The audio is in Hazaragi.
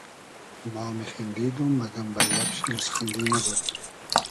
ما میخیندیدوم مئگئم بئل لئب شی موسخیندی نئبود